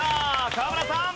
河村さん！